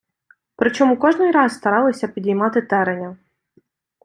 Причому кожний раз старались піймати Тереня.